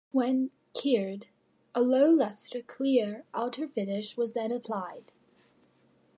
When cured, a low-luster clear outer finish was then applied.